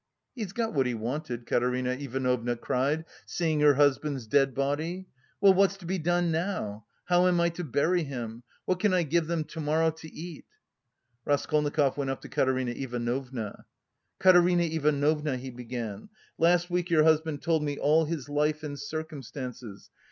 "He's got what he wanted," Katerina Ivanovna cried, seeing her husband's dead body. "Well, what's to be done now? How am I to bury him! What can I give them to morrow to eat?" Raskolnikov went up to Katerina Ivanovna. "Katerina Ivanovna," he began, "last week your husband told me all his life and circumstances....